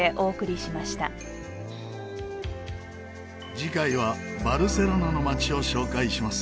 次回はバルセロナの街を紹介します。